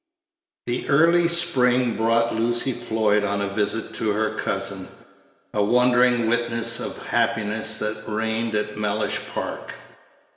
The early spring brought Lucy Floyd on a visit to her cousin, a wondering witness of the happiness that reigned at Mellish Park.